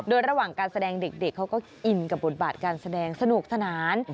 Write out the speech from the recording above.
โดยระหว่างการแสดงเด็กเขาก็อินกับบทบาทการแสดงสนุกสนาน